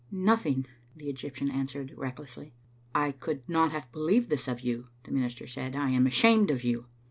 "Nothing," the Eg}^ptian answered, recklessly. " I could not have believed this of you," the minister said; " I am ashamed of you."